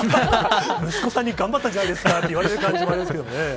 息子さんに頑張ったんじゃないですかと言われるのもあれですけどね。